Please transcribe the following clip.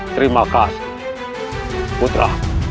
terima kasih putra